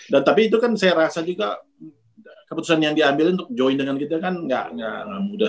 dan tapi itu kan saya rasa juga keputusan yang diambil untuk join dengan kita kan gak mudah